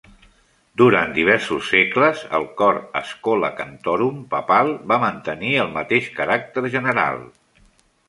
Durant diversos segles, el cor "Schola Cantorum" papal va mantenir el mateix caràcter general.